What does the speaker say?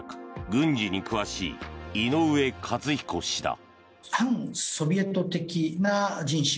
・軍事に詳しい井上和彦氏だ。